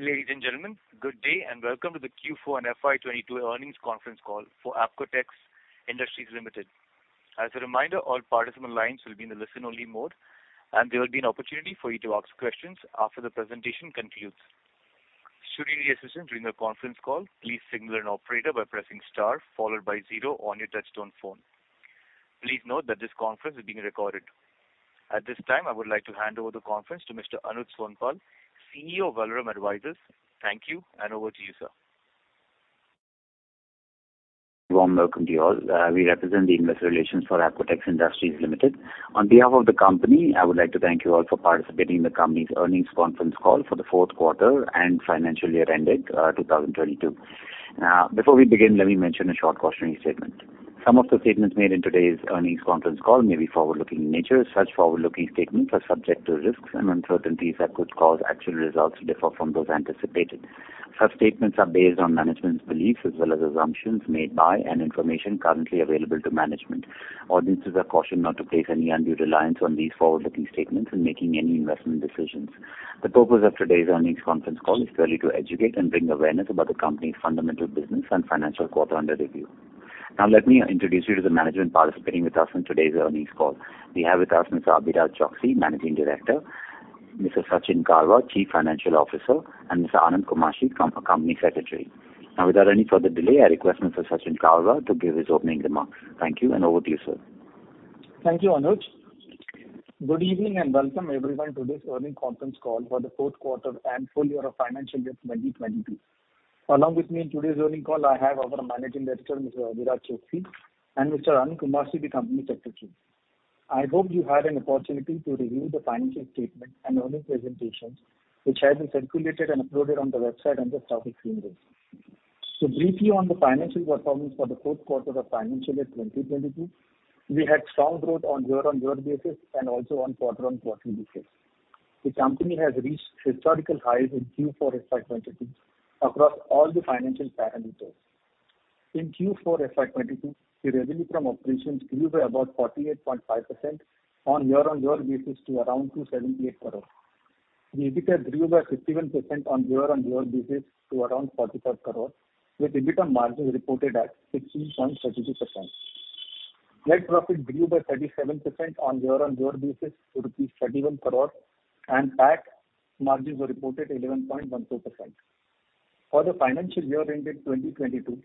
Ladies and gentlemen, good day, and welcome to the Q4 and FY 2022 earnings conference call for Apcotex Industries Limited. As a reminder, all participants' lines will be in the listen-only mode, and there will be an opportunity for you to ask questions after the presentation concludes. Should you need assistance during the conference call, please signal an operator by pressing star followed by zero on your touchtone phone. Please note that this conference is being recorded. At this time, I would like to hand over the conference to Mr. Anuj Sonpal, CEO of Valorem Advisors. Thank you, and over to you, sir. Warm welcome to you all. We represent the investor relations for Apcotex Industries Limited. On behalf of the company, I would like to thank you all for participating in the company's earnings conference call for the fourth quarter and financial year ended 2022. Before we begin, let me mention a short cautionary statement. Some of the statements made in today's earnings conference call may be forward-looking in nature. Such forward-looking statements are subject to risks and uncertainties that could cause actual results to differ from those anticipated. Such statements are based on management's beliefs as well as assumptions made by and information currently available to management. Audiences are cautioned not to place any undue reliance on these forward-looking statements in making any investment decisions. The purpose of today's earnings conference call is purely to educate and bring awareness about the company's fundamental business and financial quarter under review. Now let me introduce you to the management participating with us in today's earnings call. We have with us Mr. Abhiraj Choksey, Managing Director, Mr. Sachin Karwa, Chief Financial Officer, and Mr. Anand Kumashi, Company Secretary. Now without any further delay, I request Mr. Sachin Karwa to give his opening remarks. Thank you, and over to you, sir. Thank you, Anuj. Good evening and welcome everyone to this earnings conference call for the fourth quarter and full year of financial year 2022. Along with me in today's earnings call I have our Managing Director, Mr. Abhiraj Choksey, and Mr. Anand Kumashi, the Company Secretary. I hope you had an opportunity to review the financial statement and earnings presentations which has been circulated and uploaded on the website under stock exchanges. Briefly on the financial performance for the fourth quarter of financial year 2022, we had strong growth on year-on-year basis and also on quarter-on-quarter basis. The company has reached historical highs in Q4 FY 2022 across all the financial parameters. In Q4 FY 2022, the revenue from operations grew by about 48.5% on year-on-year basis to around 278 crore. The EBITDA grew by 51% on year-over-year basis to around 45 crore, with EBITDA margins reported at 16.32%. Net profit grew by 37% on year-over-year basis to rupees 31 crore, and PAT margins were reported 11.12%. For the financial year ended 2022,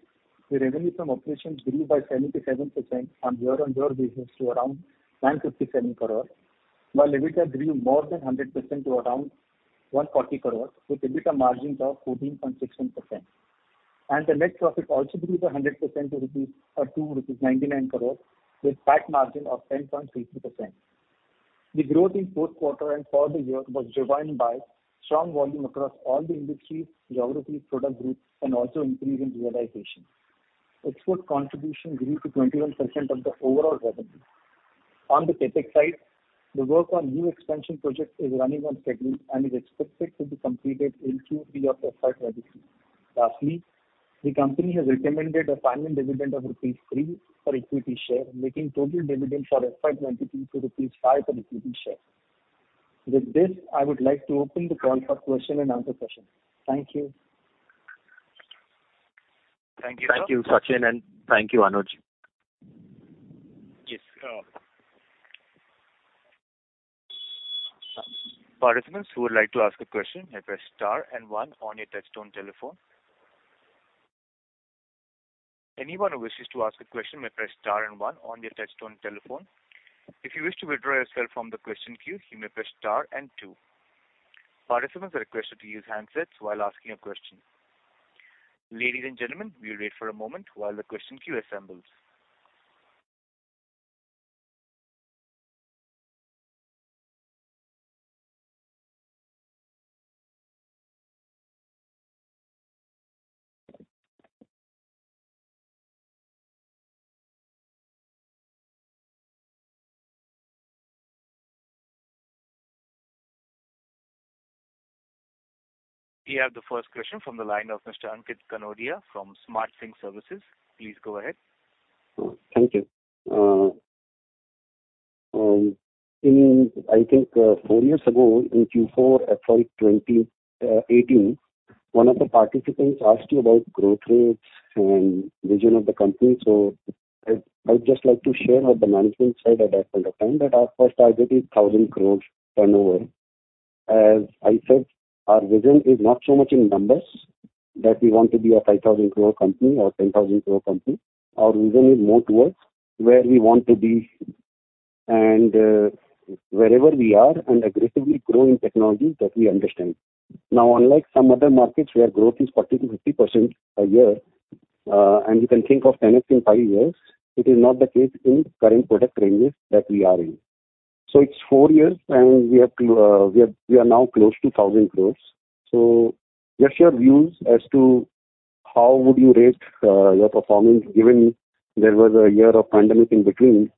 the revenue from operations grew by 77% on year-over-year basis to around 957 crore, while EBITDA grew more than 100% to around 140 crore with EBITDA margins of 14.6%. The net profit also grew by 100% to 99 crore with PAT margin of 10.32%. The growth in fourth quarter and for the year was driven by strong volume across all the industries, geographies, product groups, and also increase in realization. Export contribution grew to 21% of the overall revenue. On the CapEx side, the work on new expansion project is running on schedule and is expected to be completed in Q3 of FY 2023. Lastly, the company has recommended a final dividend of rupees 3 for equity share, making total dividend for FY 2022 to rupees 5 for equity share. With this, I would like to open the call for question and answer session. Thank you. Thank you, sir. Thank you, Sachin, and thank you, Anuj. Yes. Participants who would like to ask a question may press star and one on your touchtone telephone. Anyone who wishes to ask a question may press star and one on their touchtone telephone. If you wish to withdraw yourself from the question queue, you may press star and two. Participants are requested to use handsets while asking a question. Ladies and gentlemen, we wait for a moment while the question queue assembles. We have the first question from the line of Mr. Ankit Kanodia from Smart Sync Services. Please go ahead. Thank you. I think four years ago in Q4 FY 2018, one of the participants asked you about growth rates and vision of the company. I'd just like to share what the management said at that point of time, that our first target is 1,000 crore turnover. As I said, our vision is not so much in numbers that we want to be a 5,000 crore company or 10,000 crore company. Our vision is more towards where we want to be and wherever we are and aggressively grow in technology that we understand. Now, unlike some other markets where growth is 40%-50% a year and you can think of 10x in five years, it is not the case in current product ranges that we are in. It's four years, and we are now close to 1,000 crore. Just your views as to how would you rate your performance given there was a year of pandemic in between.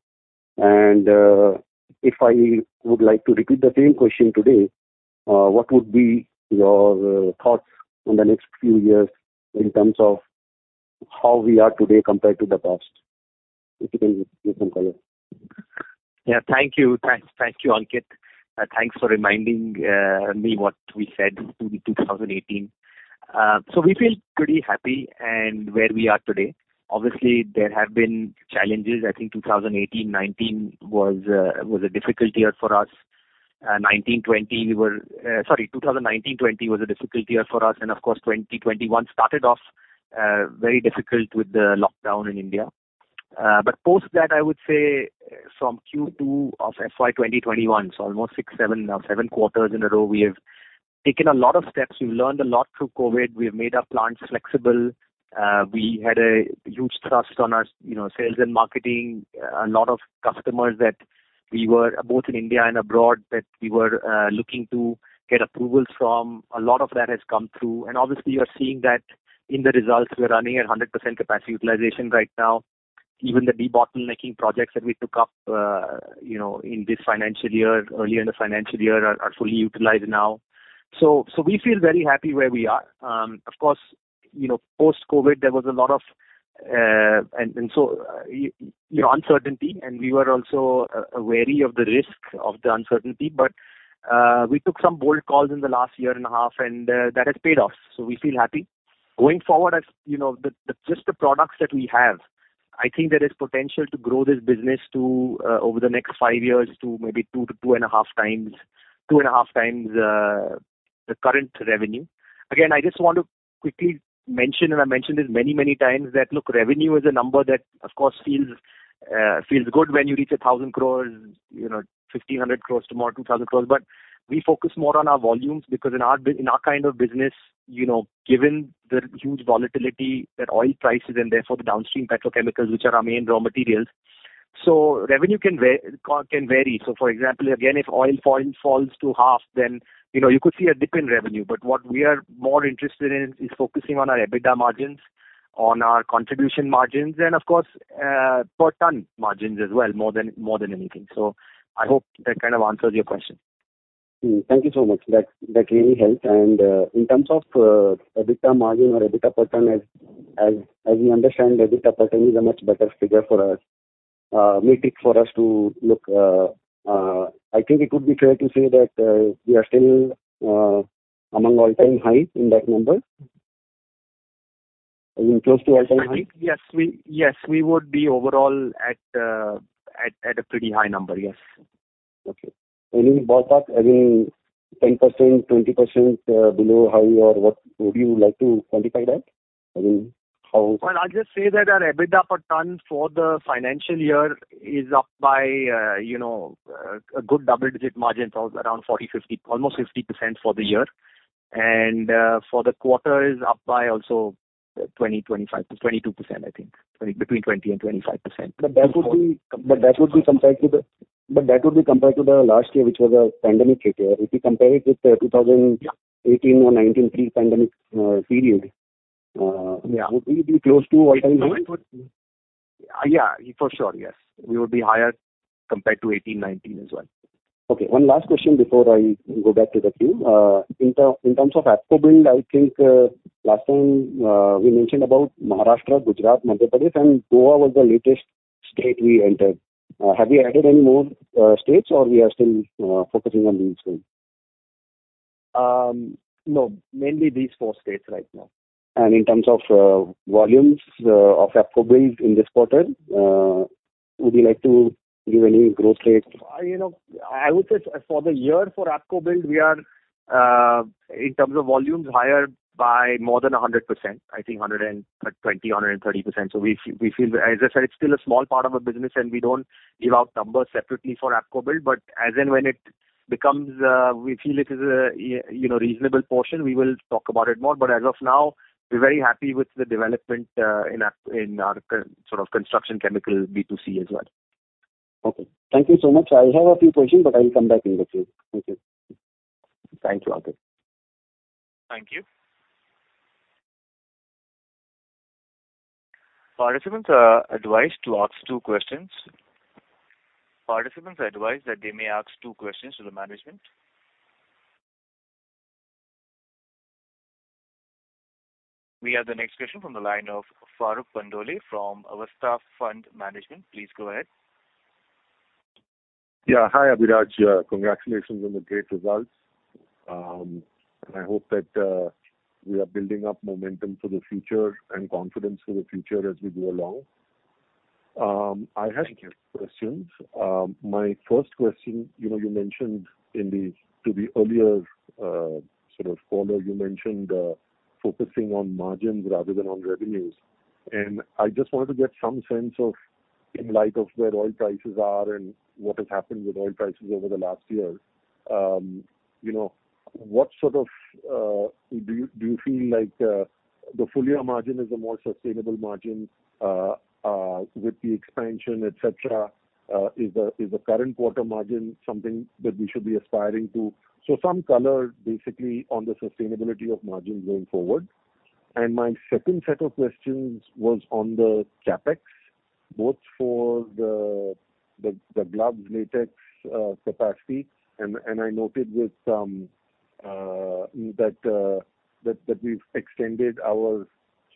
If I would like to repeat the same question today, what would be your thoughts on the next few years in terms of how we are today compared to the past? If you can give some color. Yeah, thank you. Thanks. Thank you, Ankit. Thanks for reminding me what we said in 2018. We feel pretty happy with where we are today. Obviously, there have been challenges. I think 2018-2019 was a difficult year for us. Sorry, 2019-2020 was a difficult year for us, and of course, 2021 started off very difficult with the lockdown in India. Post that, I would say from Q2 of FY 2021, so almost six to seven quarters in a row, we have taken a lot of steps. We've learned a lot through COVID. We've made our plants flexible. We had a huge thrust on our, you know, sales and marketing. A lot of customers, both in India and abroad, that we were looking to get approvals from, a lot of that has come through. Obviously you're seeing that in the results. We're running at 100% capacity utilization right now. Even the de-bottlenecking projects that we took up in this financial year, earlier in the financial year, are fully utilized now. We feel very happy where we are. Of course, post-COVID, there was a lot of uncertainty, and we were also wary of the risk of the uncertainty. We took some bold calls in the last year and a half, and that has paid off. We feel happy. Going forward, you know, just the products that we have, I think there is potential to grow this business to over the next five years to maybe 2x-2.5x the current revenue. Again, I just want to quickly mention, and I mentioned this many times, that look, revenue is a number that of course feels good when you reach 1,000 crore, you know, 1,500 crore tomorrow, 2,000 crore. We focus more on our volumes because in our kind of business, you know, given the huge volatility that oil prices and therefore the downstream petrochemicals, which are our main raw materials. Revenue can vary. For example, again, if oil falls to half, then, you know, you could see a dip in revenue. What we are more interested in is focusing on our EBITDA margins, on our contribution margins and of course, per ton margins as well, more than anything. I hope that kind of answers your question. Thank you so much. That really helps. In terms of EBITDA margin or EBITDA per ton, as we understand, EBITDA per ton is a much better figure for us, metric for us to look. I think it would be fair to say that we are still at an all-time high in that number. I mean, close to all-time high. I think yes. Yes, we would be overall at a pretty high number. Yes. Okay. Any ballpark, I mean 10%, 20%, below high or what would you like to quantify that? I mean, how- Well, I'll just say that our EBITDA per ton for the financial year is up by, you know, a good double-digit margin of around 40%, 50%, almost 60% for the year. For the quarter is up by also 20% 25%, 22%, I think. Between 20% and 25%. That would be compared to the last year, which was a pandemic hit year. If you compare it with 2018 or 2019 pre-pandemic period. Yeah. Would we be close to all-time high? Yeah, for sure. Yes. We would be higher compared to 2018, 2019 as well. Okay. One last question before I go back to the queue. In terms of ApcoBuild, I think, last time, we mentioned about Maharashtra, Gujarat, Madhya Pradesh, and Goa was the latest state we entered. Have you added any more states, or we are still focusing on these three? No, mainly these four states right now. In terms of volumes of ApcoBuild in this quarter, would you like to give any growth rate? You know, I would say for the year for ApcoBuild, we are in terms of volumes higher by more than 100%, I think 120, 130%. We feel. As I said, it's still a small part of our business, and we don't give out numbers separately for ApcoBuild. But as and when it becomes we feel it is a you know reasonable portion, we will talk about it more. But as of now, we're very happy with the development in our sort of construction chemical B2C as well. Okay. Thank you so much. I have a few questions, but I'll come back in the queue. Thank you. Thank you, Ankit. Thank you. Participants are advised to ask two questions. Participants are advised that they may ask two questions to the management. We have the next question from the line of Farokh Pandole from Avestha Fund Management. Please go ahead. Yeah. Hi, Abhiraj. Congratulations on the great results. I hope that we are building up momentum for the future and confidence for the future as we go along. I had two questions. My first question, you know, you mentioned in the earlier sort of caller, focusing on margins rather than on revenues. I just wanted to get some sense of in light of where oil prices are and what has happened with oil prices over the last year, you know, what sort of do you feel like the full year margin is a more sustainable margin with the expansion, et cetera? Is the current quarter margin something that we should be aspiring to? Some color basically on the sustainability of margins going forward. My second set of questions was on the CapEx, both for the gloves latex capacity, and I noted with some that we've extended our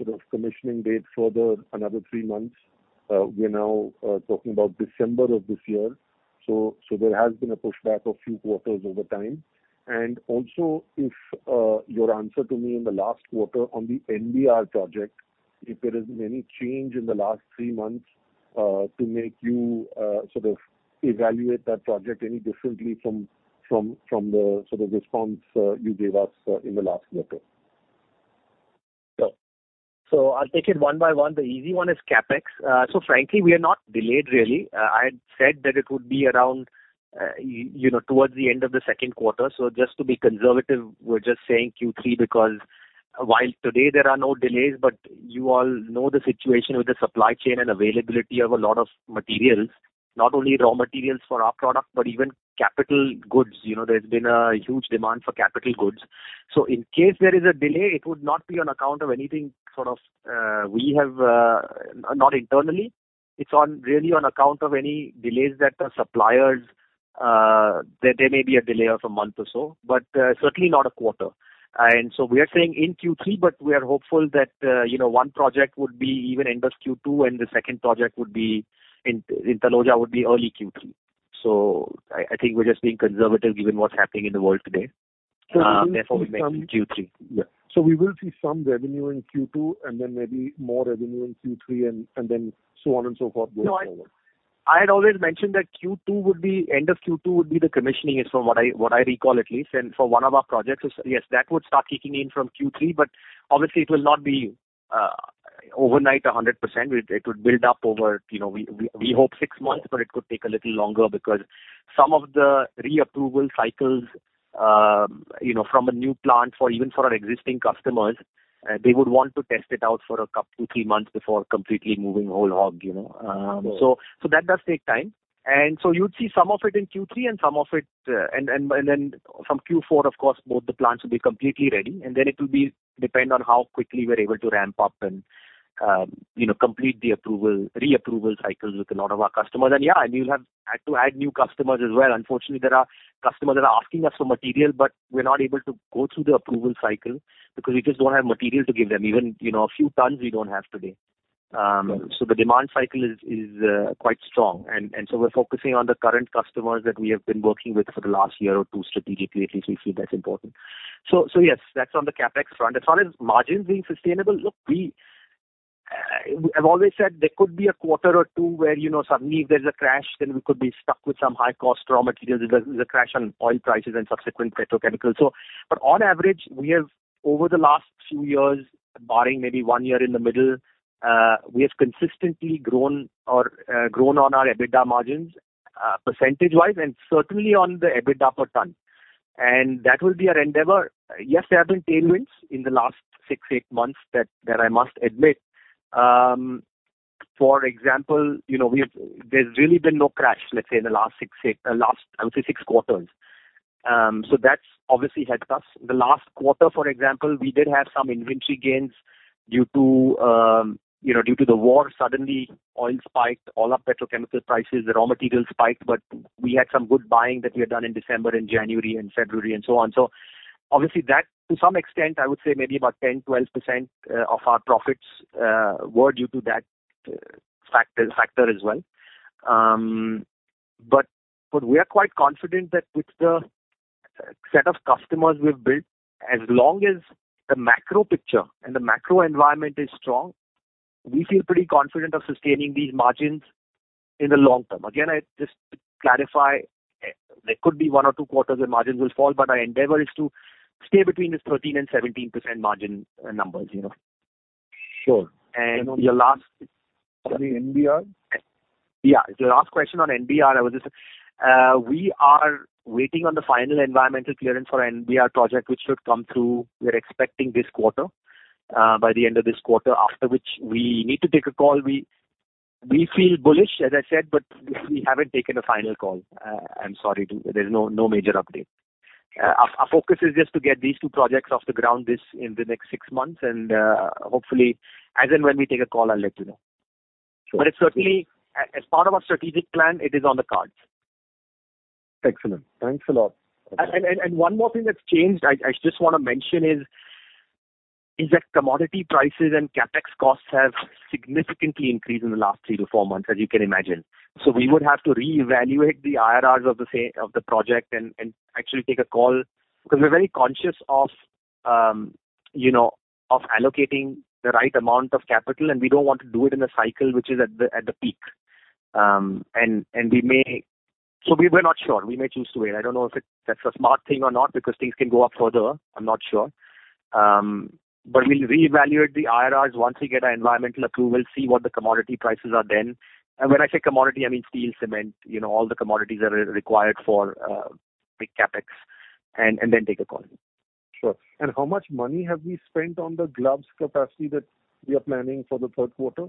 sort of commissioning date further another three months. We're now talking about December of this year. There has been a pushback of few quarters over time. And also, if your answer to me in the last quarter on the NBR project, if there is any change in the last three months to make you sort of evaluate that project any differently from the sort of response you gave us in the last quarter? Sure. I'll take it one by one. The easy one is CapEx. Frankly, we are not delayed really. I had said that it would be around, you know, towards the end of the second quarter. Just to be conservative, we're just saying Q3, because while today there are no delays, but you all know the situation with the supply chain and availability of a lot of materials, not only raw materials for our product, but even capital goods. You know, there's been a huge demand for capital goods. In case there is a delay, it would not be on account of anything sort of, we have, not internally. It's on, really on account of any delays that the suppliers, there may be a delay of a month or so, but, certainly not a quarter. We are saying in Q3, but we are hopeful that, you know, one project would be even end of Q2, and the second project would be in Taloja would be early Q3. I think we're just being conservative given what's happening in the world today. Therefore we mentioned Q3. Yeah. We will see some revenue in Q2, and then maybe more revenue in Q3 and then so on and so forth going forward. No, I had always mentioned that end of Q2 would be the commissioning from what I recall at least. For one of our projects, yes, that would start kicking in from Q3, but obviously it will not be overnight 100%. It would build up over, you know, we hope six months, but it could take a little longer because some of the reapproval cycles, you know, from a new plant, even for our existing customers, they would want to test it out for a couple, two, three months before completely moving whole hog, you know. That does take time. You'd see some of it in Q3 and some of it, and then from Q4, of course, both the plants will be completely ready, and then it'll depend on how quickly we're able to ramp up and, you know, complete the approval, reapproval cycles with a lot of our customers. Yeah, we'll have to add new customers as well. Unfortunately, there are customers that are asking us for material, but we're not able to go through the approval cycle because we just don't have material to give them. Even a few tons we don't have today. The demand cycle is quite strong. We're focusing on the current customers that we have been working with for the last year or two strategically. At least we feel that's important. Yes, that's on the CapEx front. As far as margins being sustainable, look, we have always said there could be a quarter or two where, you know, suddenly if there's a crash, then we could be stuck with some high-cost raw materials. There's a crash on oil prices and subsequent petrochemical. But on average, we have over the last two years, barring maybe one year in the middle, we have consistently grown on our EBITDA margins percentage-wise and certainly on the EBITDA per ton. And that will be our endeavor. Yes, there have been tailwinds in the last six, eight months that I must admit. For example, you know, there's really been no crash, let's say in the last six, eight last I'll say six quarters. So that's obviously helped us. The last quarter, for example, we did have some inventory gains due to, you know, due to the war, suddenly oil spiked, all our petrochemical prices, the raw materials spiked, but we had some good buying that we had done in December and January and February and so on. Obviously that to some extent, I would say maybe about 10%, 12% of our profits were due to that factor as well. But we are quite confident that with the set of customers we've built, as long as the macro picture and the macro environment is strong, we feel pretty confident of sustaining these margins in the long term. Again, I just clarify, there could be one or two quarters where margins will fall, but our endeavor is to stay between this 13% and 17% margin numbers, you know. Sure. Your last. On the NBR? Yeah. Your last question on NBR, we are waiting on the final environmental clearance for NBR project, which should come through. We're expecting this quarter, by the end of this quarter, after which we need to take a call. We feel bullish, as I said, but we haven't taken a final call. There's no major update. Our focus is just to get these two projects off the ground in the next six months and, hopefully as and when we take a call, I'll let you know. Sure. It's certainly, as part of our strategic plan, it is on the cards. Excellent. Thanks a lot. One more thing that's changed, I just wanna mention is that commodity prices and CapEx costs have significantly increased in the last three to four months, as you can imagine. We would have to reevaluate the IRRs of the project and actually take a call, because we're very conscious of, you know, of allocating the right amount of capital, and we don't want to do it in a cycle which is at the peak. We may choose to wait. We were not sure. I don't know if that's a smart thing or not because things can go up further. I'm not sure. We'll reevaluate the IRRs once we get our environmental approval, see what the commodity prices are then. When I say commodity, I mean steel, cement, you know, all the commodities that are required for big CapEx and then take a call. Sure. How much money have we spent on the gloves capacity that we are planning for the third quarter?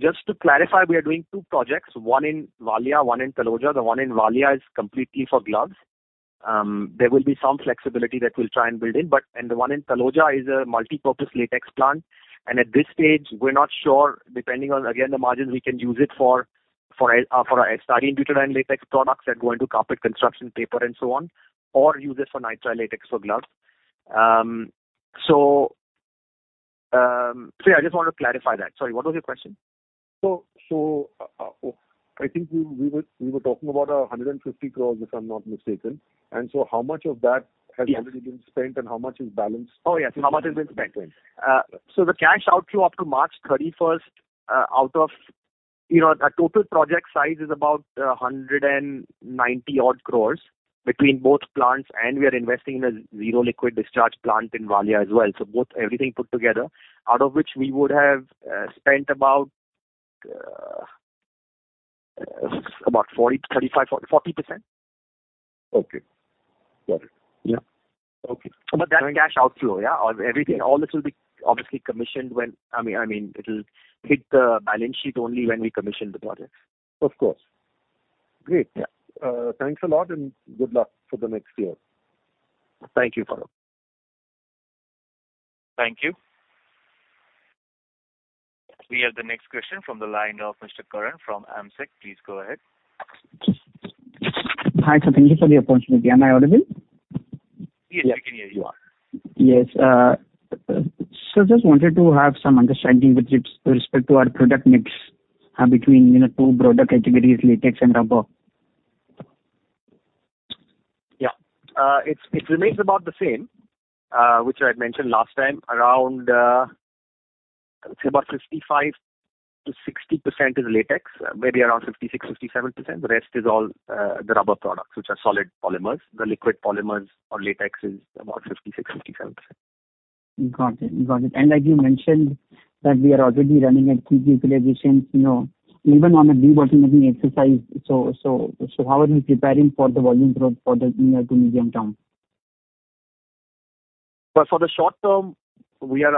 Just to clarify, we are doing two projects, one in Valia, one in Taloja. The one in Valia is completely for gloves. There will be some flexibility that we'll try and build in, but the one in Taloja is a multipurpose latex plant, and at this stage we're not sure, depending on, again, the margins we can use it for styrene butadiene latex products that go into carpet construction paper and so on, or use it for nitrile latex for gloves. I just want to clarify that. Sorry, what was your question? I think we were talking about 150 crore, if I'm not mistaken. How much of that- Yes. How much has already been spent and how much is balance? Oh, yes. How much has been spent? Spent. The cash outflow up to March 31 out of you know our total project size is about 190-odd crores between both plants, and we are investing in a zero liquid discharge plant in Valia as well. Both everything put together, out of which we would have spent about 35%-40%. Okay. Got it. Yeah. Okay. That's cash outflow, yeah? Everything. All this will be obviously commissioned. I mean, it'll hit the balance sheet only when we commission the project. Of course. Great. Yeah. Thanks a lot, and good luck for the next year. Thank you, Farokh. Thank you. We have the next question from the line of Mr. Karan from AMSEC. Please go ahead. Hi, sir. Thank you for the opportunity. Am I audible? Yes, we can hear you well. Yes. Just wanted to have some understanding with respect to our product mix, between, you know, two product categories, latex and rubber. Yeah. It remains about the same, which I had mentioned last time. Around, let's say about 55%-60% is latex, maybe around 56%-67%. The rest is all the rubber products, which are solid polymers. The liquid polymers or latex is about 56%-67%. Got it. Like you mentioned that we are already running at peak utilizations, you know, even on a debottlenecking exercise. How are we preparing for the volume growth for the near to medium term? For the short term, we are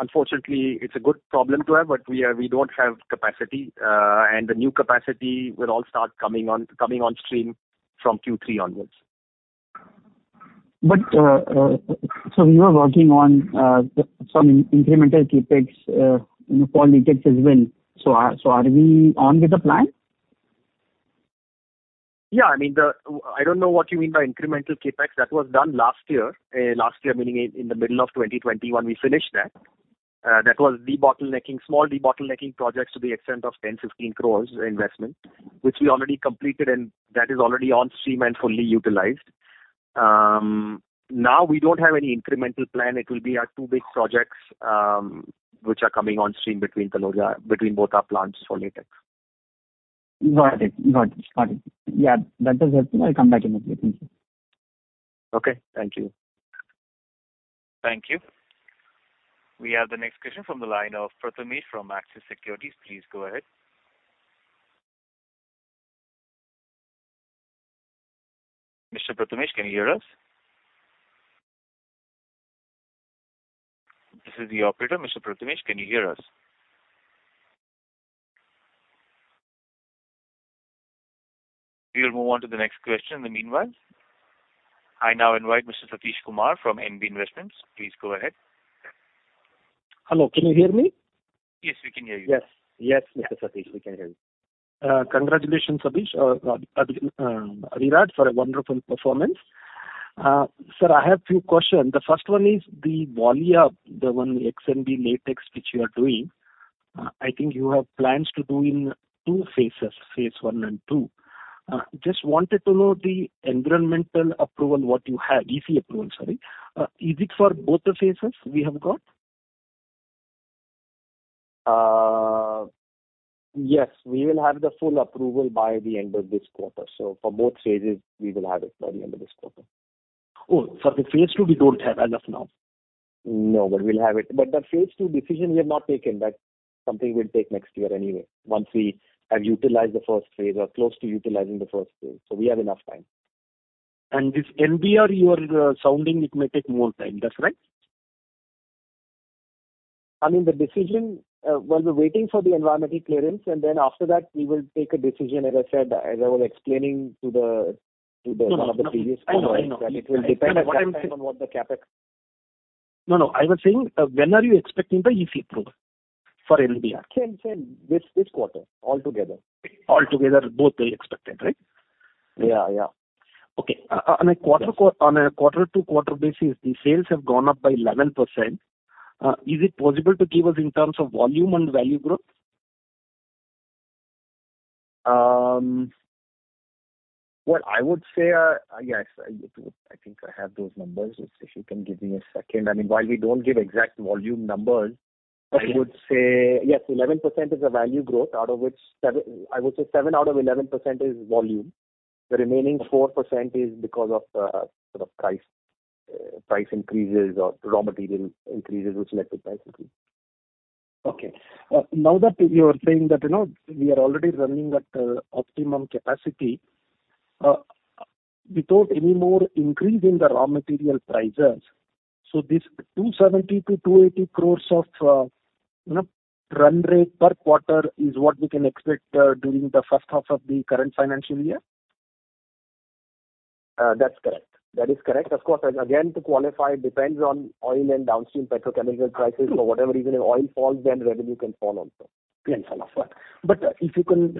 unfortunately. It's a good problem to have, but we don't have capacity, and the new capacity will all start coming on stream from Q3 onwards. We were working on some incremental CapEx for latex as well. Are we on with the plan? Yeah. I mean, I don't know what you mean by incremental CapEx. That was done last year. Last year meaning in the middle of 2020 when we finished that. That was debottlenecking, small debottlenecking projects to the extent of 10- 15 crores investment, which we already completed and that is already on stream and fully utilized. Now we don't have any incremental plan. It will be our two big projects, which are coming on stream between Valia, between both our plants for latex. Got it. Yeah. That does it. I'll come back in a bit. Thank you. Okay. Thank you. Thank you. We have the next question from the line of Prathamesh from Axis Securities. Please go ahead. Mr. Prathamesh, can you hear us? This is the operator. Mr. Prathamesh, can you hear us? We will move on to the next question in the meanwhile. I now invite Mr. Satish Kumar from NB Investments. Please go ahead. Hello, can you hear me? Yes, we can hear you. Yes. Yes, Mr. Satish, we can hear you. Congratulations, Abhiraj, for a wonderful performance. Sir, I have two questions. The first one is the Valia, the one XNB Latex which you are doing. I think you have plans to do in two phases, Phase I and II. Just wanted to know the environmental approval, what you have. EC approval, sorry. Is it for both the phases we have got? Yes. We will have the full approval by the end of this quarter. For both phases we will have it by the end of this quarter. Oh. The phase two we don't have as of now? No, but we'll have it. The phase two decision we have not taken. That's something we'll take next year anyway once we have utilized the first phase or close to utilizing the first phase. We have enough time. This NBR you are sourcing, it may take more time. That's right? I mean, the decision, well, we're waiting for the environmental clearance, and then after that we will take a decision, as I said, as I was explaining to the No, no. one of the previous callers. I know. I know. That it will depend. I understand. On what the CapEx is. No, no. I was saying, when are you expecting the EC approval for NBR? Same. This quarter altogether. Altogether, both you're expecting, right? Yeah, yeah. Okay. On a quarter-to-quarter basis, the sales have gone up by 11%. Is it possible to give us in terms of volume and value growth? Well, I would say, yes, I think I have those numbers. If you can give me a second. I mean, while we don't give exact volume numbers. Okay. 11% is the value growth, out of which seven out of 11% is volume. The remaining 4% is because of sort of price increases or raw material increases which led to price increase. Okay. Now that you are saying that, you know, we are already running at optimum capacity, without any more increase in the raw material prices, so this 270 crore-280 crore run rate per quarter is what we can expect during the first half of the current financial year? That's correct. That is correct. Of course, again, to qualify, it depends on oil and downstream petrochemical prices. For whatever reason if oil falls, then revenue can fall also. Yes. If you can,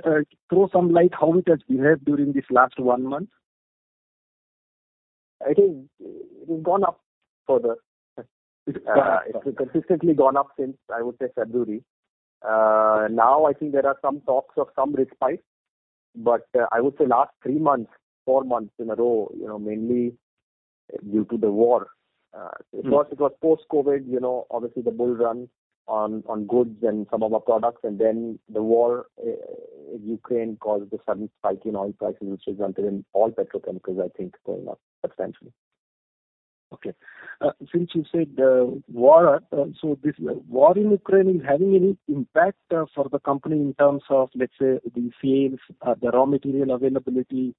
throw some light how it has behaved during this last one month. I think it has gone up further. Yes. It's consistently gone up since, I would say, February. Now I think there are some talks of some respite. I would say last three months, four months in a row, you know, mainly due to the war. It was post-COVID, you know, obviously the bull run on goods and some of our products, and then the war in Ukraine caused the sudden spike in oil prices, which resulted in all petrochemicals, I think, going up substantially. Okay. Since you said the war. This war in Ukraine, is it having any impact for the company in terms of, let's say, the sales, the raw material availability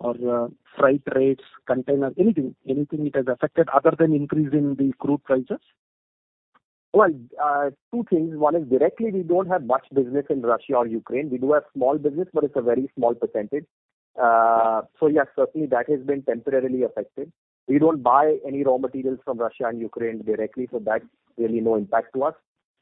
or, freight rates, container, anything? Anything it has affected other than increase in the crude prices? Well, two things. One is directly we don't have much business in Russia or Ukraine. We do have small business, but it's a very small percentage. So yes, certainly that has been temporarily affected. We don't buy any raw materials from Russia and Ukraine directly, so that's really no impact to us.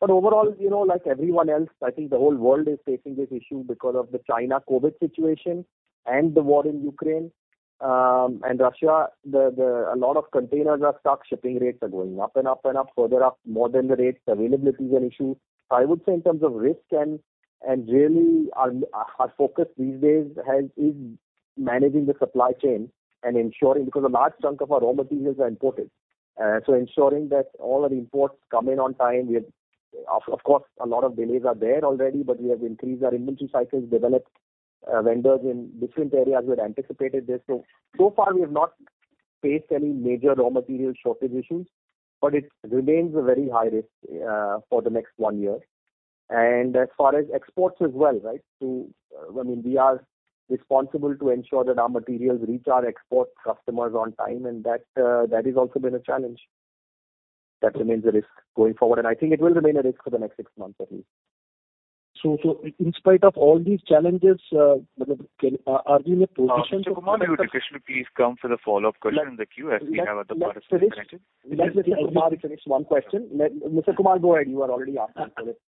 Overall, you know, like everyone else, I think the whole world is facing this issue because of the China COVID situation and the war in Ukraine, and Russia. A lot of containers are stuck. Shipping rates are going up and up and up. So it's more than the rates. Availability is an issue. So I would say in terms of risk and really our focus these days is managing the supply chain and ensuring because a large chunk of our raw materials are imported. Ensuring that all our imports come in on time. Of course, a lot of delays are there already, but we have increased our inventory cycles, developed vendors in different areas. We had anticipated this. So far we have not faced any major raw material shortage issues, but it remains a very high risk for the next one year. As far as exports as well, right? I mean, we are responsible to ensure that our materials reach our export customers on time, and that has also been a challenge. That remains a risk going forward, and I think it will remain a risk for the next six months at least. In spite of all these challenges, are we in a position to? Mr. Kumar, would you kindly please come for the follow-up question in the queue as we have other participants connected. Let Omar finish one question. Mr. Kumar, go ahead. You are already up.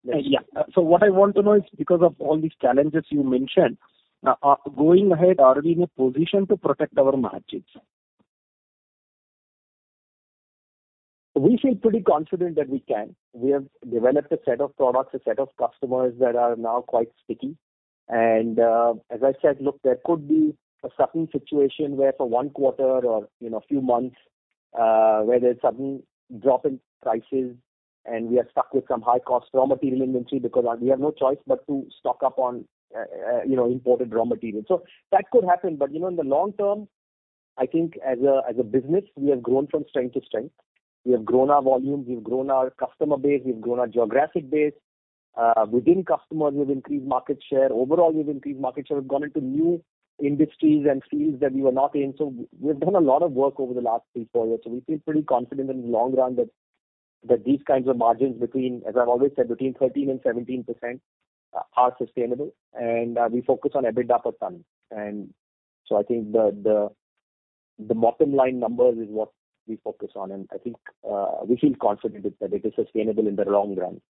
Yeah. What I want to know is because of all these challenges you mentioned, going ahead, are we in a position to protect our margins? We feel pretty confident that we can. We have developed a set of products, a set of customers that are now quite sticky. As I said, look, there could be a certain situation where for one quarter or, you know, a few months, where there's sudden drop in prices and we are stuck with some high cost raw material inventory because we have no choice but to stock up on, you know, imported raw materials. That could happen. You know, in the long term, I think as a business, we have grown from strength to strength. We have grown our volumes, we've grown our customer base, we've grown our geographic base. Within customers, we've increased market share. Overall, we've increased market share. We've gone into new industries and fields that we were not in. We've done a lot of work over the last three, four years, and we feel pretty confident in the long run that these kinds of margins between, as I've always said, between 13%-17% are sustainable. We focus on EBITDA per ton. I think the bottom line number is what we focus on. I think we feel confident that it is sustainable in the long run.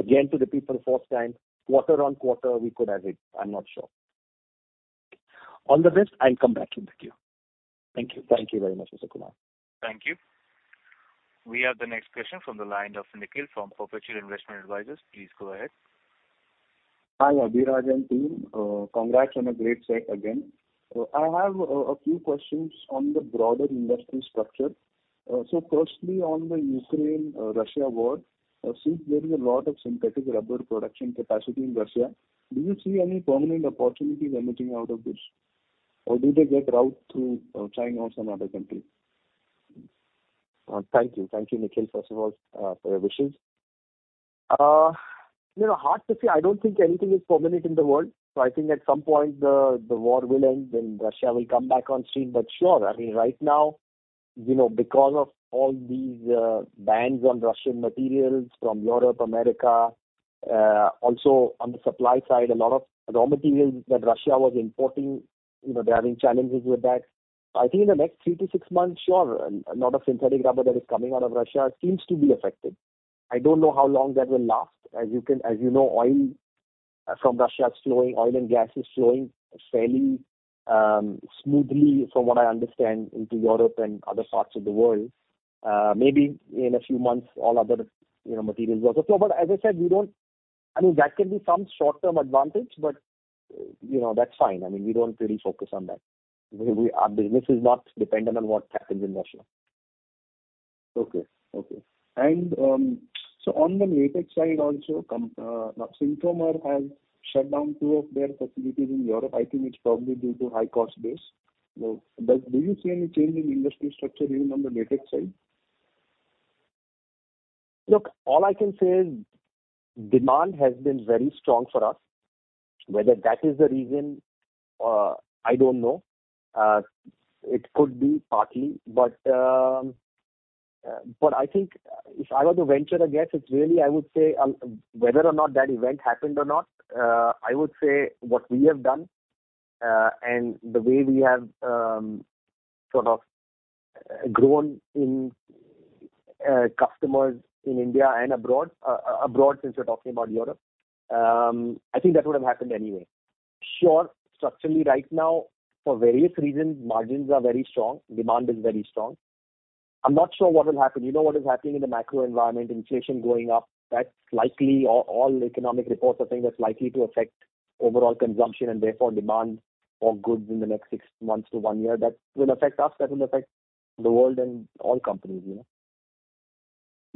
To repeat for the fourth time, quarter-over-quarter, we could have it. I'm not sure. On the rest, I'll come back in the queue. Thank you. Thank you very much, Mr. Kumar. Thank you. We have the next question from the line of Nikhil from Perpetual Investment Advisors. Please go ahead. Hi, Abhiraj and team. Congrats on a great set again. I have a few questions on the broader industry structure. Firstly, on the Ukraine-Russia war. Since there is a lot of synthetic rubber production capacity in Russia, do you see any permanent opportunities emerging out of this? Or do they get routed through China or some other country? Thank you. Thank you, Nikhil, first of all, for your wishes. You know, hard to say. I don't think anything is permanent in the world. I think at some point the war will end and Russia will come back on stream. Sure, I mean, right now, you know, because of all these bans on Russian materials from Europe, America, also on the supply side, a lot of raw materials that Russia was importing, you know, they're having challenges with that. I think in the next three to six months, sure, a lot of synthetic rubber that is coming out of Russia seems to be affected. I don't know how long that will last. As you know, oil from Russia is flowing. Oil and gas is flowing fairly smoothly from what I understand into Europe and other parts of the world. Maybe in a few months all other, you know, materials will also flow. As I said, I mean, that can be some short-term advantage, but, you know, that's fine. I mean, we don't really focus on that. Our business is not dependent on what happens in Russia. Okay. On the latex side also, now Synthomer has shut down two of their facilities in Europe. I think it's probably due to high cost base. Do you see any change in industry structure even on the latex side? Look, all I can say is demand has been very strong for us. Whether that is the reason, I don't know. It could be partly, but I think if I were to venture a guess, it's really I would say whether or not that event happened or not, I would say what we have done and the way we have sort of grown in customers in India and abroad, since we're talking about Europe, I think that would have happened anyway. Sure, structurally right now, for various reasons, margins are very strong, demand is very strong. I'm not sure what will happen. You know what is happening in the macro environment, inflation going up. That's likely all, economic reports are saying that's likely to affect overall consumption and therefore demand for goods in the next six months to one year. That will affect us, that will affect the world and all companies, you know.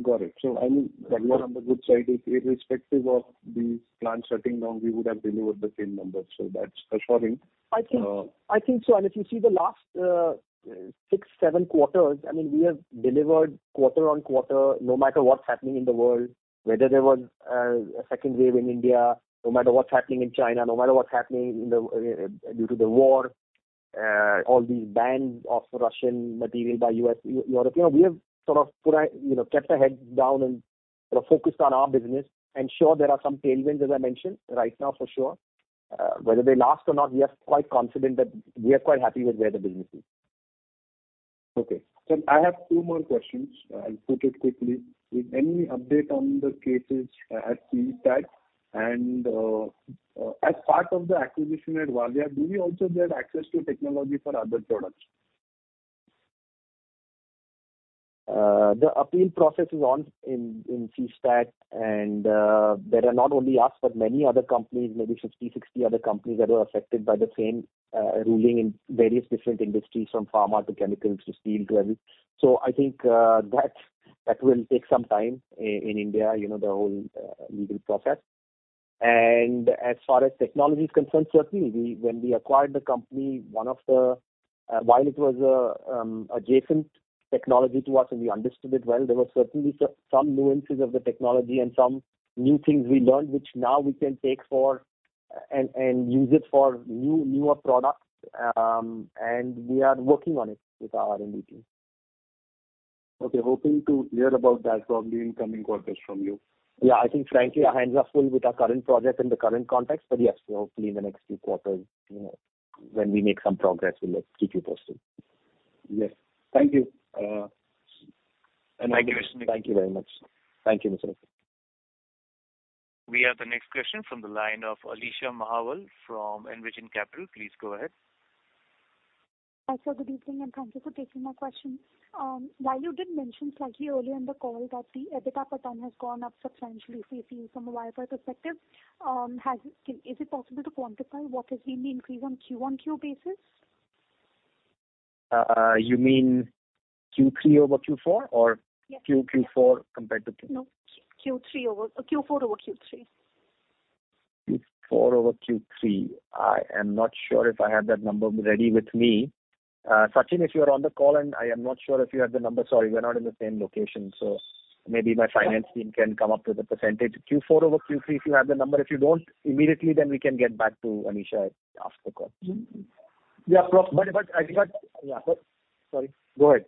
Got it. I mean, you are on the good side. Irrespective of these plants shutting down, we would have delivered the same numbers. That's assuring. I think so. If you see the last six, seven quarters, I mean, we have delivered quarter-over-quarter no matter what's happening in the world. Whether there was a second wave in India, no matter what's happening in China, no matter what's happening in the due to the war, all these bans of Russian material by U.S., Europe, you know, we have sort of put our, you know, kept our heads down and sort of focused on our business. Sure, there are some tailwinds, as I mentioned right now for sure. Whether they last or not, we are quite confident that we are quite happy with where the business is. Okay. I have two more questions. I'll put it quickly. Is there any update on the cases at CESTAT? As part of the acquisition at Valia, do we also get access to technology for other products? The appeal process is on in CESTAT, and there are not only us, but many other companies, maybe 50, 60 other companies that were affected by the same ruling in various different industries from pharma to chemicals to steel to everything. I think that will take some time in India, you know, the whole legal process. As far as technology is concerned, certainly, when we acquired the company, while it was adjacent technology to us and we understood it well, there were certainly some nuances of the technology and some new things we learned, which now we can take forward and use it for newer products. We are working on it with our R&D team. Okay, hoping to hear about that from the incoming quarters from you. Yeah. I think frankly, our hands are full with our current projects in the current context. Yes, hopefully in the next few quarters, you know, when we make some progress, we'll keep you posted. Yes. Thank you. Thank you. Thank you very much. Thank you, Nikhil. We have the next question from the line of Anisha Mahawal from Envision Capital. Please go ahead. Hi, sir. Good evening, and thank you for taking my question. While you did mention slightly earlier in the call that the EBITDA per ton has gone up substantially from a YOY perspective, is it possible to quantify what has been the increase on Q-on-Q basis? You mean Q3 over Q4 or? Yes. Q3 FY 2024 compared to No. Q3 over Q4 over Q3. Q4 over Q3. I am not sure if I have that number ready with me. Sachin, if you are on the call and I am not sure if you have the number. Sorry, we're not in the same location, so maybe my finance team can come up with a percentage. Q4 over Q3, if you have the number. If you don't immediately, then we can get back to Anisha after the call. Yeah. Yeah. Sorry. Go ahead.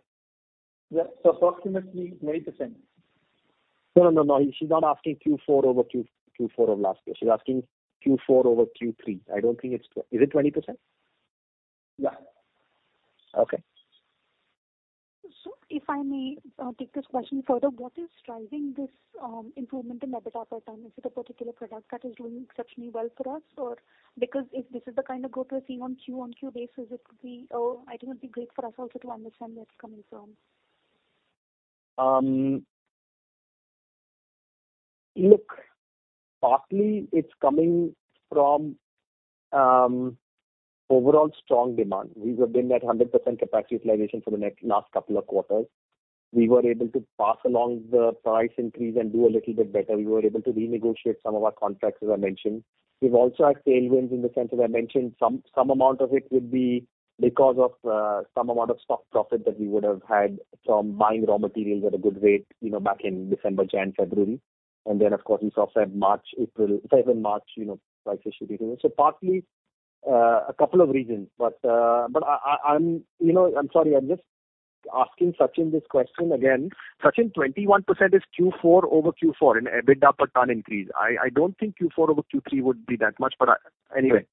Yeah. Approximately 20%. No, no. She's not asking Q4 over Q4 of last year. She's asking Q4 over Q3. I don't think it's 20%. Is it 20%? Yeah. Okay. If I may take this question further, what is driving this improvement in EBITDA per ton? Is it a particular product that is doing exceptionally well for us? Because if this is the kind of growth we're seeing on a quarter-over-quarter basis, it could be. I think it would be great for us also to understand where it's coming from. Look, partly it's coming from overall strong demand. We've been at 100% capacity utilization for the last couple of quarters. We were able to pass along the price increase and do a little bit better. We were able to renegotiate some of our contracts, as I mentioned. We've also had tailwinds in the sense, as I mentioned, some amount of it would be because of some amount of stock profit that we would have had from buying raw materials at a good rate, you know, back in December, January, February. Then, of course, we saw February, March, April. February and March, you know, prices shooting. Partly a couple of reasons. I'm sorry, I'm just asking Sachin this question again. Sachin, 21% is Q4 over Q4 in EBITDA per ton increase. I don't think Q4 over Q3 would be that much, but anyway,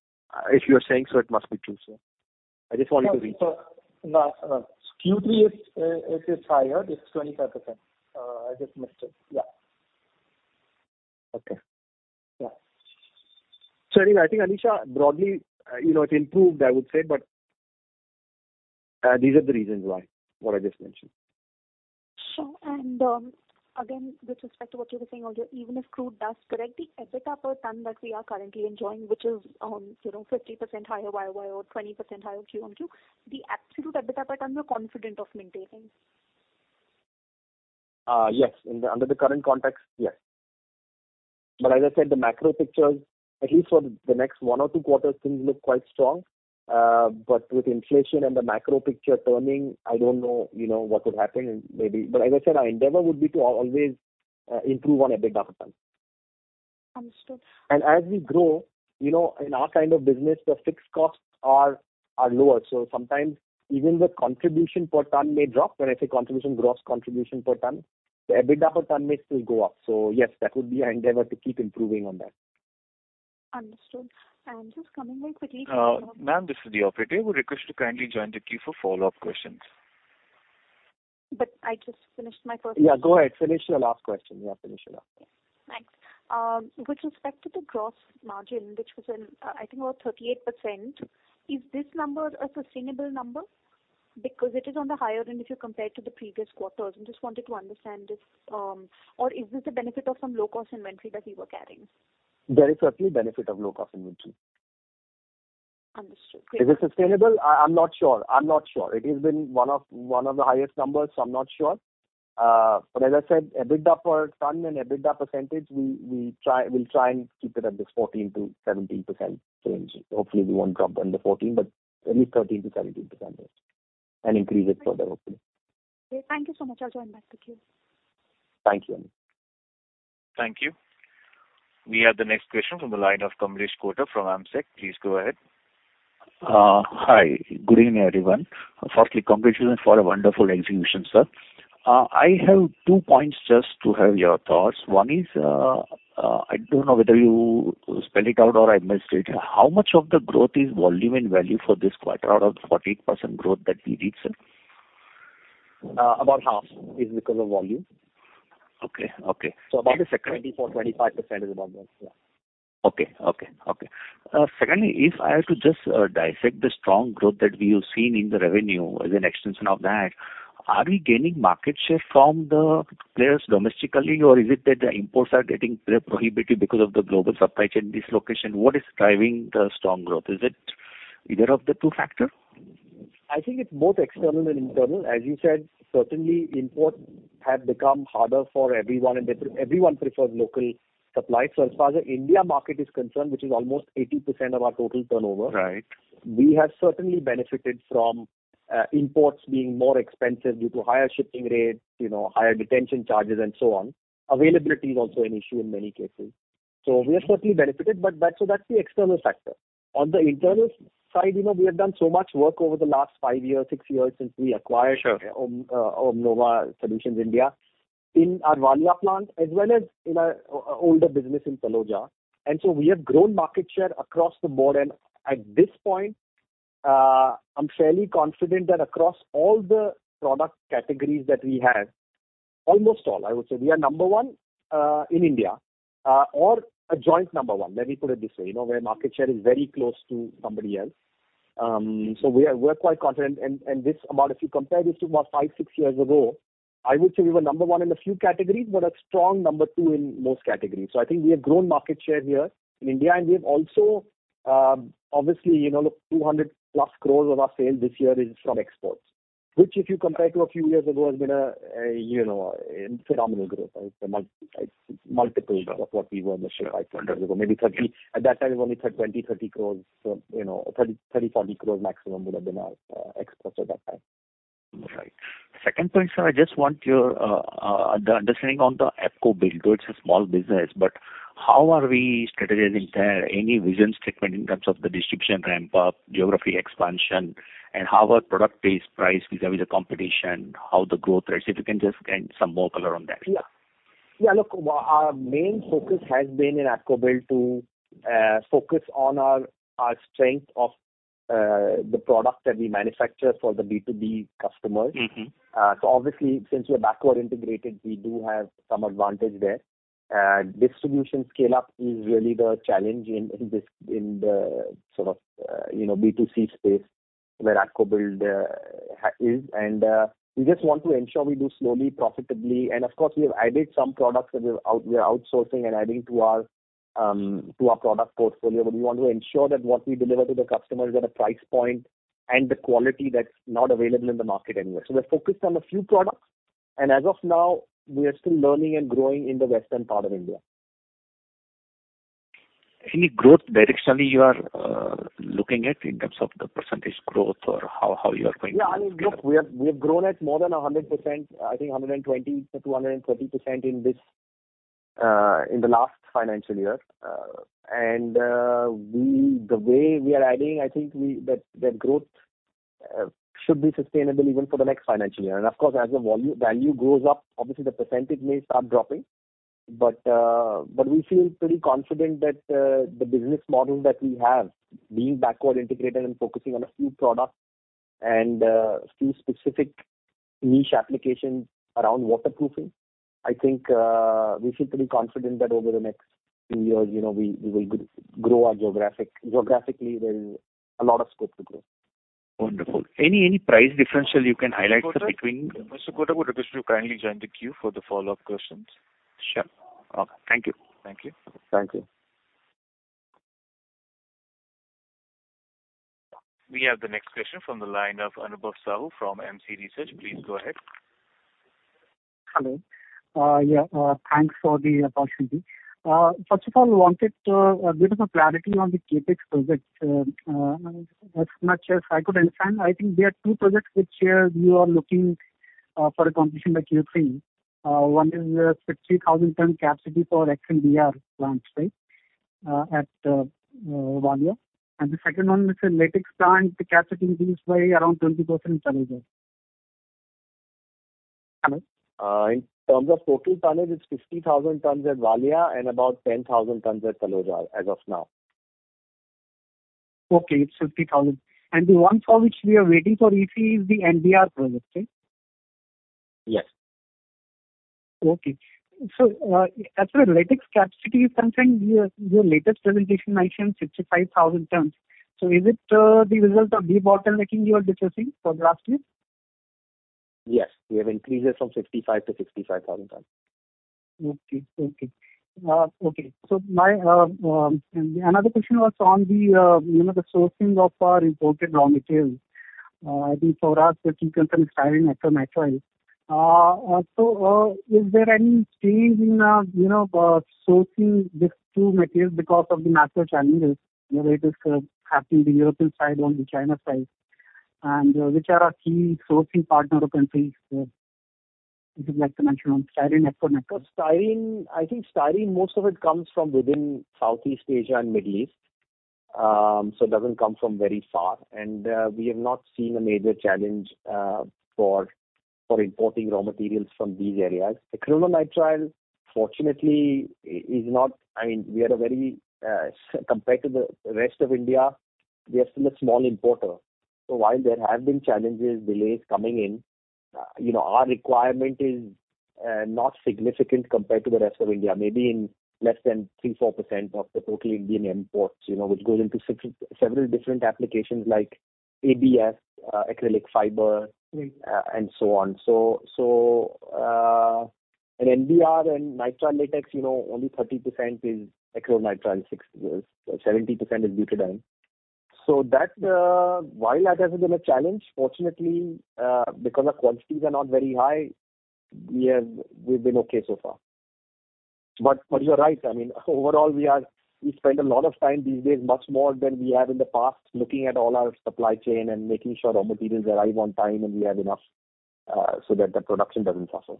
if you're saying so, it must be true. I just want you to re- No, sir. No. Q3 is higher. It's 25%. I just missed it. Yeah. Okay. Yeah. Anyway, I think, Anisha, broadly, you know, it improved, I would say, but these are the reasons why what I just mentioned. Sure. Again, with respect to what you were saying earlier, even if crude does correct the EBITDA per ton that we are currently enjoying, which is, you know, 50% higher YOY or 20% higher QoQ, the absolute EBITDA per ton we're confident of maintaining. Yes. Under the current context, yes. As I said, the macro picture, at least for the next one or two quarters, things look quite strong. With inflation and the macro picture turning, I don't know, you know, what would happen maybe. Our endeavor would be to always improve on EBITDA per ton. Understood. As we grow, you know, in our kind of business, the fixed costs are lower. Sometimes even the contribution per ton may drop. When I say contribution, gross contribution per ton, the EBITDA per ton may still go up. Yes, that would be our endeavor to keep improving on that. Understood. Just coming back quickly. Ma'am, this is the operator. Would request you to kindly join the queue for follow-up questions. I just finished my first question. Yeah, go ahead. Finish your last question. Yeah, finish it up. Thanks. With respect to the gross margin, which was in, I think about 38%, is this number a sustainable number? Because it is on the higher end if you compare it to the previous quarters. I just wanted to understand this. Or is this a benefit of some low-cost inventory that you were carrying? There is certainly a benefit of low-cost inventory. Understood. Is it sustainable? I'm not sure. It has been one of the highest numbers, so I'm not sure. As I said, EBITDA per ton and EBITDA percentage, we'll try and keep it at this 14%-17% range. Hopefully we won't drop under 14%, but at least 13%-17% and increase it further, hopefully. Okay. Thank you so much. I'll join back the queue. Thank you. Thank you. We have the next question from the line of Kamlesh Kotak from AMSEC. Please go ahead. Hi. Good evening, everyone. Firstly, congratulations for a wonderful execution, sir. I have two points just to have your thoughts. One is, I don't know whether you spell it out or I missed it. How much of the growth is volume and value for this quarter out of the 48% growth that we read, sir? About half is because of volume. Okay. Okay. About 24%-25% is about that. Yeah. Okay. Secondly, if I have to just dissect the strong growth that we have seen in the revenue as an extension of that, are we gaining market share from the players domestically, or is it that the imports are getting prohibited because of the global supply chain dislocation? What is driving the strong growth? Is it either of the two factor? I think it's both external and internal. As you said, certainly imports have become harder for everyone, and everyone prefers local supply. As far as the India market is concerned, which is almost 80% of our total turnover. Right we have certainly benefited from imports being more expensive due to higher shipping rates, you know, higher detention charges and so on. Availability is also an issue in many cases. We have certainly benefited, but that's the external factor. On the internal side, you know, we have done so much work over the last five years, six years since we acquired- Sure. Omnova Solutions India in our Valia plant as well as in our older business in Taloja. We have grown market share across the board. At this point, I'm fairly confident that across all the product categories that we have, almost all I would say, we are number one in India or a joint number one, let me put it this way, you know, where market share is very close to somebody else. We're quite confident. This amount, if you compare this to about five, six years ago, I would say we were number one in a few categories, but a strong number two in most categories. I think we have grown market share here in India, and we have also obviously, you know, look, 200+ crores of our sales this year is from exports, which if you compare to a few years ago has been a you know a phenomenal growth. It's multiples of what we were maybe 5-6 years ago. Maybe 30. At that time it was only 20 crores-30 crores. You know, 30 crores-40 crores maximum would have been our exports at that time. Right. Second point, sir, I just want your understanding on the ApcoBuild. Though it's a small business, but how are we strategizing there? Any vision statement in terms of the distribution ramp up, geography expansion, and how our product is priced vis-a-vis the competition, how the growth rates. If you can just add some more color on that. Yeah. Yeah, look, our main focus has been in ApcoBuild to focus on our strength of the product that we manufacture for the B2B customers. Mm-hmm. Obviously, since we're backward integrated, we do have some advantage there. Distribution scale-up is really the challenge in this sort of, you know, B2C space where ApcoBuild is. We just want to ensure we do slowly, profitably. Of course, we have added some products that we are outsourcing and adding to our product portfolio. We want to ensure that what we deliver to the customer is at a price point and the quality that's not available in the market anywhere. We're focused on a few products, and as of now, we are still learning and growing in the western part of India. Any growth directionally you are looking at in terms of the percentage growth or how you are going to? Yeah, I mean, look, we have grown at more than 100%, I think 120%-130% in the last financial year. The way we are adding, I think that growth should be sustainable even for the next financial year. Of course, as the value goes up, obviously the percentage may start dropping. We feel pretty confident that the business model that we have, being backward integrated and focusing on a few products and few specific niche applications around waterproofing, I think, we feel pretty confident that over the next few years, you know, we will grow geographically. There's a lot of scope to grow. Wonderful. Any price differential you can highlight between- Mr. Kotak, would request you to kindly join the queue for the follow-up questions. Sure. Okay. Thank you. Thank you. Thank you. We have the next question from the line of Anubhav Sahu from MC Research. Please go ahead. Hello. Yeah, thanks for the opportunity. First of all, wanted a bit of a clarity on the CapEx projects. As much as I could understand, I think there are two projects which you are looking. For the completion by Q3. One is 50,000 ton capacity for NBR plants, right, at Valia. The second one is a latex plant. The capacity increased by around 20% in Taloja. In terms of total tonnage, it's 50,000 tons at Valia and about 10,000 tons at Taloja as of now. Okay. It's 50,000. The one for which we are waiting for EC is the NBR project, right? Yes. Okay. As per latex capacity is concerned, your latest presentation mentioned 65,000 tons. Is it the result of debottlenecking you are discussing for the last year? Yes. We have increased it from 55,000 to 65,000 tons. Another question was on the sourcing of our imported raw materials. I think Sachin Karwa mentioned styrene and acrylonitrile. Is there any change in you know sourcing these two materials because of the macro challenges, you know, it is happening on the European side, on the China side. Which are our key sourcing partner countries, if you'd like to mention on styrene acrylonitrile. For styrene, I think most of it comes from within Southeast Asia and Middle East. It doesn't come from very far. We have not seen a major challenge for importing raw materials from these areas. Acrylonitrile, fortunately, I mean, we are a very compared to the rest of India, we are still a small importer. While there have been challenges, delays coming in, you know, our requirement is not significant compared to the rest of India. Maybe in less than 3%-4% of the total Indian imports, you know, which goes into several different applications like ABS, acrylic fiber. Right. NBR and nitrile latex, you know, only 30% is acrylonitrile, 60%-70% is butadiene. That while that has been a challenge, fortunately, because our quantities are not very high, we have we've been okay so far. You're right. I mean, overall we spend a lot of time these days, much more than we have in the past, looking at all our supply chain and making sure raw materials arrive on time and we have enough, so that the production doesn't suffer.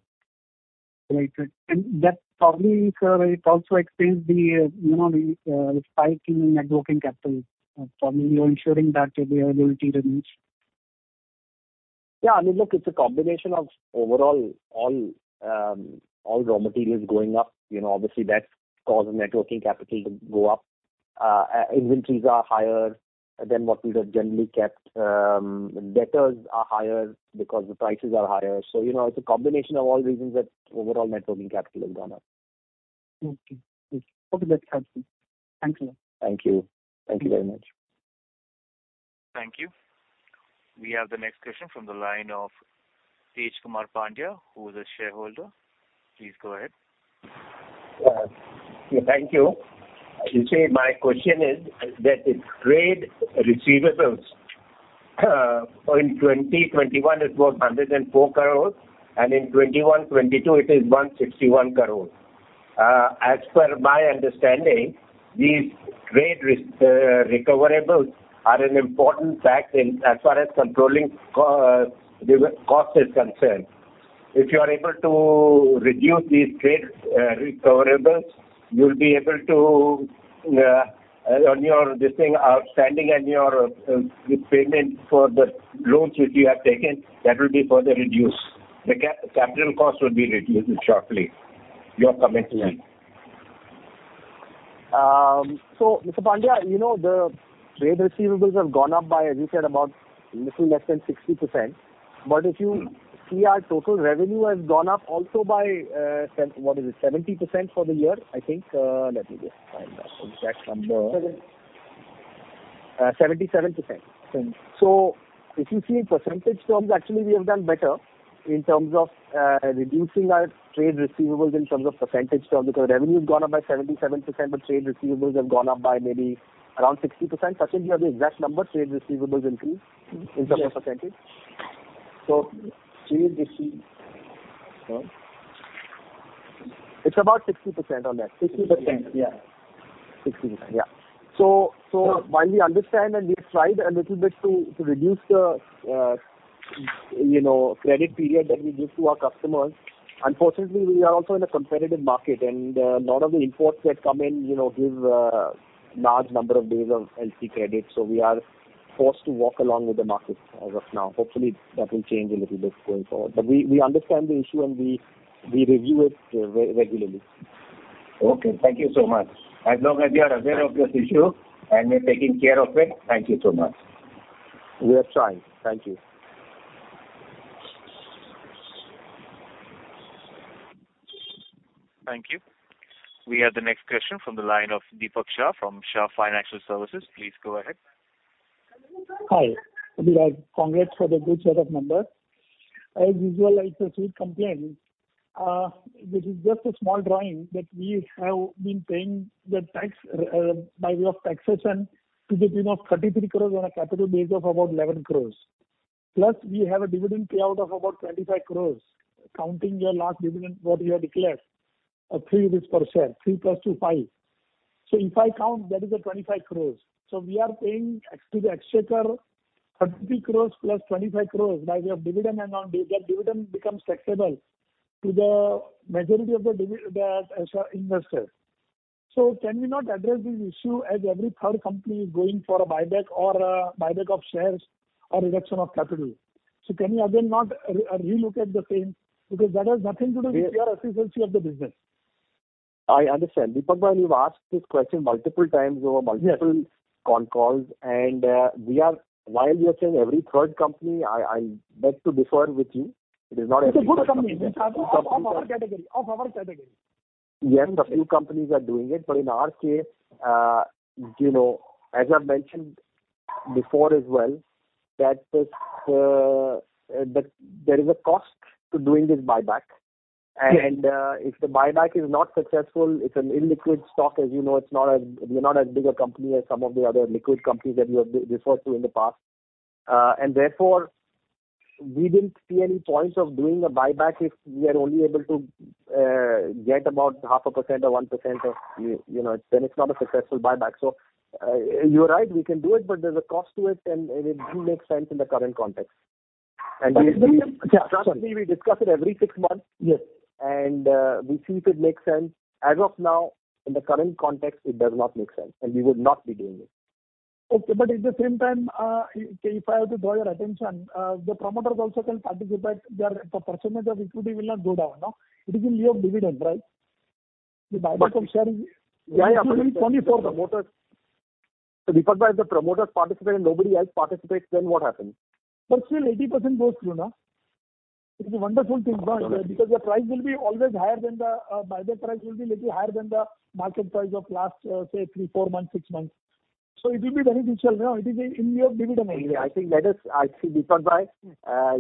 Right. That probably, sir, it also explains the, you know, the spike in net working capital. Probably you're ensuring that availability remains. Yeah. I mean, look, it's a combination of overall, all raw materials going up. You know, obviously that's caused net working capital to go up. Inventories are higher than what we have generally kept. Debtors are higher because the prices are higher. You know, it's a combination of all reasons that overall net working capital has gone up. Okay. Hope that helps you. Thanks a lot. Thank you. Thank you very much. Thank you. We have the next question from the line of H. Kumar Pandya, who is a shareholder. Please go ahead. Yeah. Thank you. You see, my question is that the trade receivables in 2021 is about 104 crore, and in 2022 it is 161 crore. As per my understanding, these trade receivables are an important factor in as far as controlling the cost is concerned. If you are able to reduce these trade receivables, you'll be able to reduce your outstanding and your repayment for the loans which you have taken, that will be further reduced. The capital cost will be reduced sharply. Your commitment. Mr. H. Kumar Pandya, you know, the trade receivables have gone up by, as you said, about little less than 60%. If you see our total revenue has gone up also by 70% for the year, I think. Let me just find out the exact number. Seven. 77%. Seven. If you see in percentage terms, actually we have done better in terms of reducing our trade receivables in terms of percentage term, because revenue's gone up by 77%, but trade receivables have gone up by maybe around 60%. Sachin, do you have the exact number trade receivables increase in terms of percentage? Yes. Trade receivables. It's about 60% on that. 60%. Yeah. 60%. Yeah. While we understand and we've tried a little bit to reduce the you know, credit period that we give to our customers, unfortunately we are also in a competitive market and lot of the imports that come in you know give large number of days of LC credit. We are forced to walk along with the market as of now. Hopefully that will change a little bit going forward. We understand the issue and we review it regularly. Okay. Thank you so much. As long as you are aware of this issue and you're taking care of it, thank you so much. We are trying. Thank you. Thank you. We have the next question from the line of Deepak Shah from Shah Financial Services. Please go ahead. Hi. Congrats for the good set of numbers. As usual, I pose complaints. This is just a small point that we have been paying taxes by way of taxes to the tune of 33 crore on a capital base of about 11 crore. Plus, we have a dividend payout of about 25 crore. Counting your last dividend, what you have declared, 3 rupees per share, 3 plus 2 equals 5. If I count, that is a 25 crore. We are paying taxes to the exchequer 30 crore plus 25 crore by way of dividend. That dividend becomes taxable to the majority of the investors. Can we not address this issue as every third company is going for a buyback or buyback of shares or reduction of capital? Can you again not relook at the same? Because that has nothing to do with your efficiency of the business. I understand. Deepak brother, you've asked this question multiple times over multiple. Yes. con calls, and while you are saying every third company, I beg to differ with you. It is not every third company. It's a good company of our category. Yes, a few companies are doing it, but in our case, you know, as I've mentioned before as well, that there is a cost to doing this buyback. Yes. If the buyback is not successful, it's an illiquid stock. As you know, it's not, we're not as big a company as some of the other liquid companies that you have referred to in the past. And therefore, we didn't see any point of doing a buyback if we are only able to get about 0.5% or 1%. You know, then it's not a successful buyback. You're right, we can do it, but there's a cost to it and it do make sense in the current context. It will. We, trust me, we discuss it every six months. Yes. We see if it makes sense. As of now, in the current context, it does not make sense, and we would not be doing it. Okay. At the same time, if I have to draw your attention, the promoters also can participate. Their percentage of equity will not go down. No? It is in lieu of dividend, right? The buyback of share is. Why are promoting only for the promoters? Deepak Shah brother, if the promoters participate and nobody else participates, then what happens? Still 80% goes through, no? It's a wonderful thing, because the price will be always higher than the buyback price will be little higher than the market price of last, say three, four months, six months. It will be very beneficial, you know. It is in lieu of dividend anyway. Yeah. I see, Deepak brother,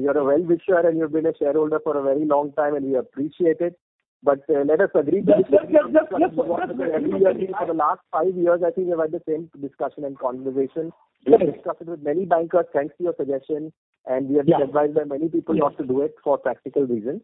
you're a well-wisher and you've been a shareholder for a very long time, and we appreciate it. Let us agree to disagree. Yes. For the last five years, I think we've had the same discussion and conversation. Correct. We've discussed it with many bankers, thanks to your suggestion, and we have been advised by many people not to do it for practical reasons.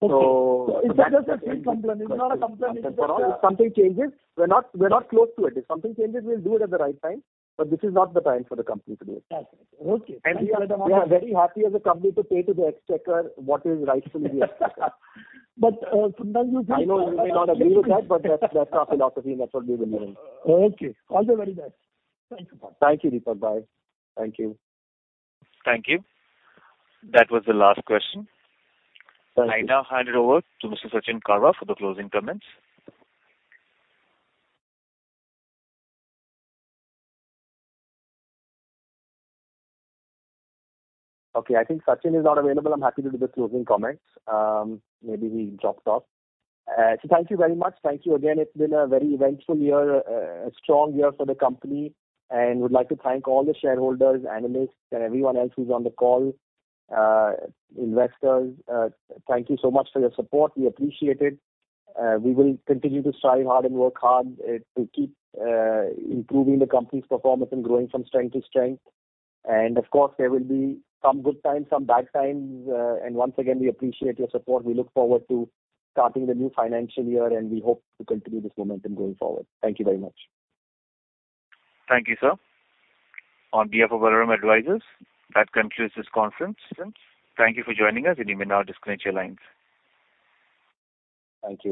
That's the way it is. Okay. It's just a feedback complaint. It's not a complaint. If something changes, we're not closed to it. If something changes, we'll do it at the right time. This is not the time for the company to do it. Okay. We are very happy as a company to pay to the exchequer what is rightfully the exchequer. Sometimes you feel. I know you may not agree with that, but that's our philosophy and that's what we believe in. Okay. All the very best. Thank you. Thank you, Deepak brother. Thank you. Thank you. That was the last question. Thank you. I now hand it over to Mr. Sachin Karwa for the closing comments. Okay. I think Sachin is not available. I'm happy to do the closing comments. Maybe he dropped off. So thank you very much. Thank you again. It's been a very eventful year, a strong year for the company, and would like to thank all the shareholders, analysts, and everyone else who's on the call, investors. Thank you so much for your support. We appreciate it. We will continue to strive hard and work hard to keep improving the company's performance and growing from strength to strength. Of course, there will be some good times, some bad times. Once again, we appreciate your support. We look forward to starting the new financial year, and we hope to continue this momentum going forward. Thank you very much. Thank you, sir. On behalf of Valorem Advisors, that concludes this conference. Thank you for joining us, and you may now disconnect your lines. Thank you.